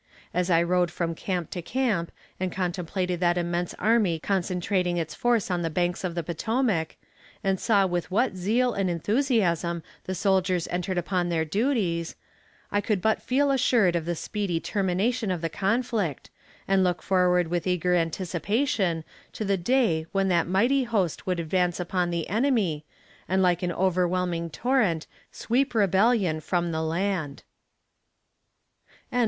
As I rode from camp to camp and contemplated that immense army concentrating its force on the banks of the Potomac, and saw with what zeal and enthusiasm the soldiers entered upon their duties, I could but feel assured of the speedy termination of the conflict, and look forward with eager anticipation to the day when that mighty host would advance upon the enemy, and like an overwhelming torrent sweep rebellion from the land.